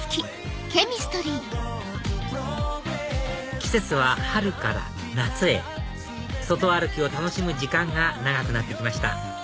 季節は春から夏へ外歩きを楽しむ時間が長くなってきました